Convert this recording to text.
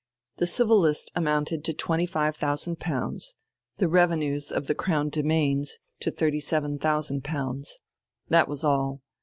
The Civil List amounted to twenty five thousand pounds, the revenues of the Crown demesnes to thirty seven thousand pounds. That was all.